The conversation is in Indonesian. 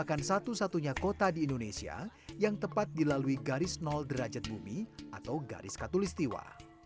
kota ini adalah salah satunya kota di indonesia yang tepat dilalui garis nol derajat bumi atau garis katulistiwa